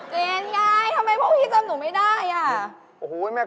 เค้าตามออกมา